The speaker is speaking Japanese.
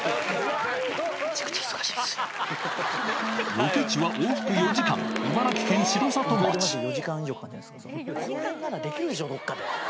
ロケ地は往復４時間、茨城県公園ならできるでしょ、どっかで。